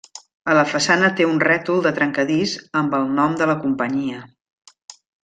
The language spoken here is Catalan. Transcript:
A la façana té un rètol de trencadís amb el nom de la companyia.